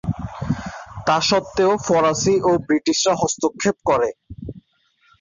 তা সত্ত্বেও ফরাসি ও ব্রিটিশরা হস্তক্ষেপ করে।